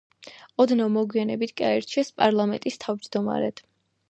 ოდნავ მოგვიანებით კი აირჩიეს პარლამენტის თავმჯდომარედ.